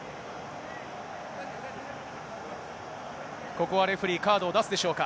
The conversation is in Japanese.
ここはレフェリー、カードを出すでしょうか。